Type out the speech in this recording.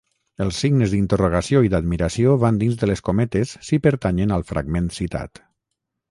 Els signes d'interrogació i d'admiració van dins de les cometes si pertanyen al fragment citat.